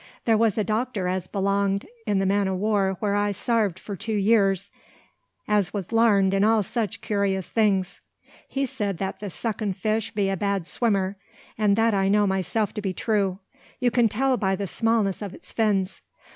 There was a doctor as belonged in the man o' war where I sarved for two years, as was larned in all such curious things. He said that the suckin' fish be a bad swimmer; and that I know myself to be true. You can tell by the smallness o' its fins.